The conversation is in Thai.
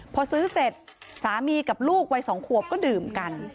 พอซื้อเสร็จสามีกับลูกวัย๒ขวบก็ดื่มกัน